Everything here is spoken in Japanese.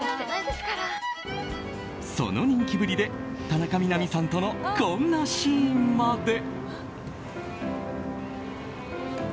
その人気ぶりで田中みな実さんとのこんなシーンまで。